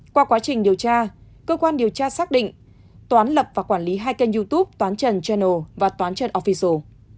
qua quá trình điều tra cơ quan điều tra xác định toán lập và quản lý hai kênh youtube toán trần chinal và toán trần offisio